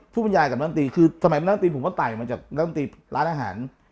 ภูมิยากับนักดนตรีคือสมัยนักดนตรีผมก็ไต้มาจากนักดนตรีร้านอาหาร